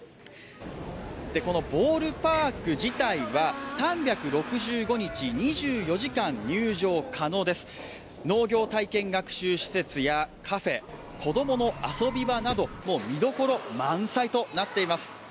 このボールパーク自体は３６５日２４時間入場可能です農業体験学習施設やカフェ、子供の遊び場なども見どころ満載となっています。